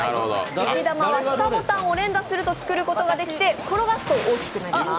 雪玉は下ボタンを連打すると作ることができて、転がすと大きくなります。